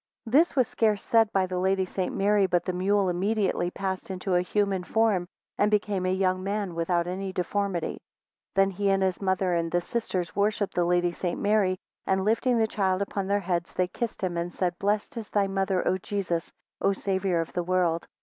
26 This was scarce said by the Lady St. Mary, but the mule immediately passed into a human form, and became a young man without any deformity. 27 Then he and his mother and the sisters worshipped the Lady St. Mary, and lifting the child upon their heads, they kissed him, and said, Blessed is thy mother, O Jesus, O Saviour of the world!